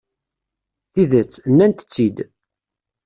Tidet, nnant-tt-id.